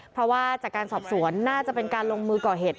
เพราะว่าจากการสอบสวนน่าจะเป็นการลงมือก่อเหตุ